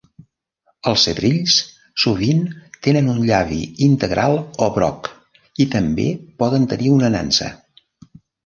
Els setrills sovint tenen un llavi integral o broc, i també poden tenir una nansa.